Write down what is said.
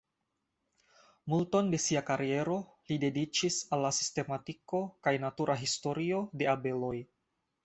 Multon de sia kariero li dediĉis al la sistematiko kaj natura historio de abeloj.